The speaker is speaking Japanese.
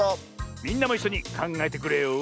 みんなもいっしょにかんがえてくれよ！